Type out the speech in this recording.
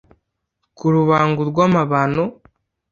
Ku rubango rw’amabano